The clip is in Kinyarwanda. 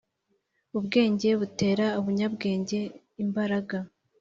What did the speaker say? Ubwenge butera umunyabwenge imbaraga